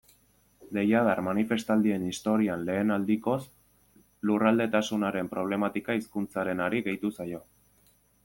Deiadar manifestaldien historian lehen aldikoz, lurraldetasunaren problematika hizkuntzarenari gehitu zaio.